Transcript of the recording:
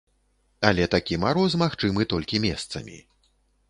Але такі мароз магчымы толькі месцамі.